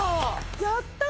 やったー！